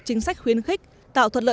chính sách khuyến khích tạo thuận lợi